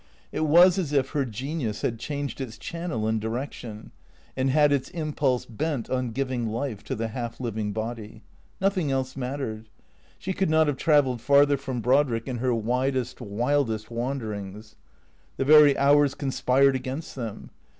It was as if her genius had changed its channel and direction, and had its impulse bent on giving life to the half living body. Nothing else mattered. She could not have travelled farther from Brod rick in her widest, wildest wanderings. The very hours con spired against them.